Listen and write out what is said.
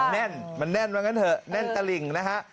แน่นมันแน่นว่างั้นเถอะแน่นตะหลิ่งนะฮะ